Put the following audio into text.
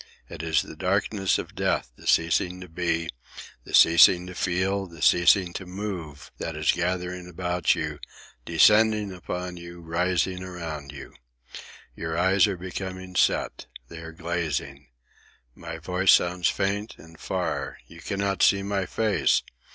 It is the darkness of death, the ceasing to be, the ceasing to feel, the ceasing to move, that is gathering about you, descending upon you, rising around you. Your eyes are becoming set. They are glazing. My voice sounds faint and far. You cannot see my face.